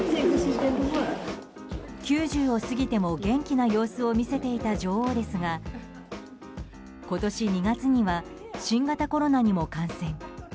９０を過ぎても元気な様子を見せていた女王ですが今年２月には新型コロナにも感染。